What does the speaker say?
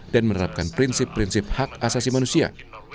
dan menerapkan prinsip prinsip hak asasi manusia